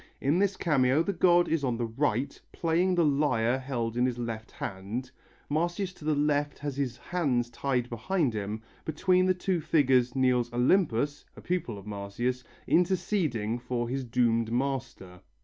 In this cameo the god is on the right, playing the lyre held in his left hand, Marsyas to the left has his hands tied behind him, between the two figures kneels Olympus (a pupil of Marsyas) interceding for his doomed master.